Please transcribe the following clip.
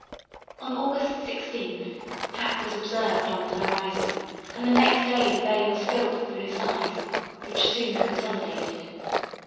On August 16 pack was observed on the horizon, and next day the bay was filled with loose ice, which soon consolidated.